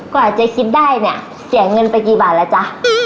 กว่าเจ๊คิดได้เนี่ยเสียเงินไปกี่บาทแล้วจ๊ะ